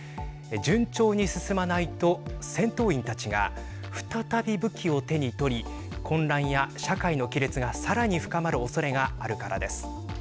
順調に進まないと戦闘員たちが再び武器を手に取り混乱や社会の亀裂がさらに深まるおそれがあるからです。